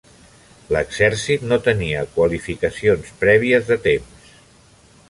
L'Exèrcit no tenia qualificacions prèvies de temps.